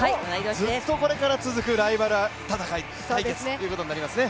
ずっとこれから続くライバル対決ということになりますね。